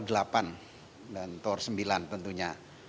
dan tower sembilan tentunya